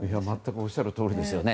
おっしゃるとおりです。